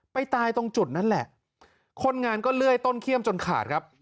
ตายตรงจุดนั้นแหละคนงานก็เลื่อยต้นเขี้ยมจนขาดครับ